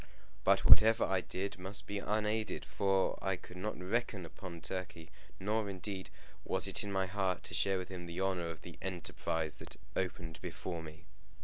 But whatever I did must be unaided, for I could not reckon upon Turkey, nor indeed was it in my heart to share with him the honour of the enterprise that opened before me.